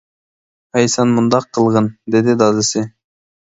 -ھەي سەن مۇنداق قىلغىن، -دېدى دادىسى.